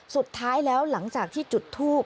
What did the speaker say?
สุดท้ายแล้วหลังจากที่จุดทูบ